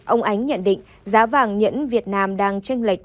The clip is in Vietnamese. ông ánh nhận định giá vàng nhẫn việt nam đang tranh lệch